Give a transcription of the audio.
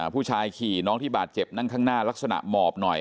ผู้ชายขี่น้องที่บาดเจ็บนั่งข้างหน้าลักษณะหมอบหน่อย